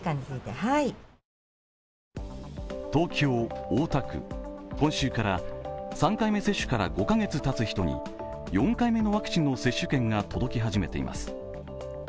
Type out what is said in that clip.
東京・大田区、今週から３回目接種から５カ月たつ人に４回目のワクチンの接種券が届き始めています。